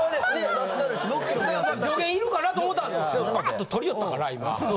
バッと取りよったから今。